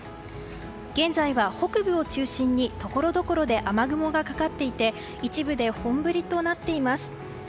現在は北部を中心にところどころで雨雲がかかっていて一部で本降りとなっています。